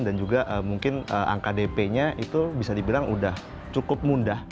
dan juga mungkin angka dp nya itu bisa dibilang udah cukup mudah